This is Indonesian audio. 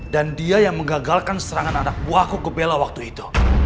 dan dia yang mengagalkan serangan anak buahku ke bella waktu itu